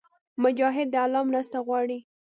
مجاهد له الله مرسته غواړي.